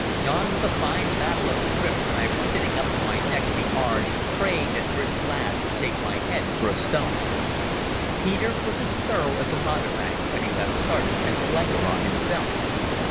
Yon was a fine battle at the drift when I was sitting up to my neck in the Orange praying that Brits' lads would take my head for a stone." Peter was as thorough a mountebank, when he got started, as Blenkiron himself.